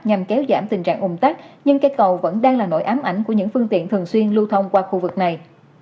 nhằm kéo giảm tình trạng ủng tắc nhưng cây cầu vẫn đang là nỗi ám ảnh của những phương tiện thường xuyên lưu thông qua khu vực này